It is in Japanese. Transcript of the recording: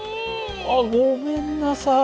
あっごめんなさい。